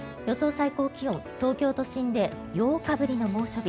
最高気温東京都心で８日ぶりの猛暑日。